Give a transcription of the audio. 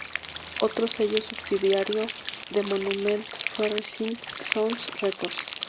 Otro sello subsidiario de Monument fue Rising Sons Records.